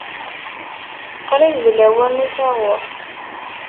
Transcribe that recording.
Qrib d lawan n usaɣur